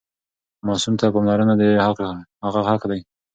ماسوم ته پاملرنه د هغه حق دی.